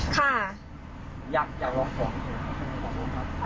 ค่ะ